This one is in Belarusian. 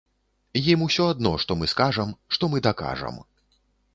Ім усё адно, што мы скажам, што мы дакажам.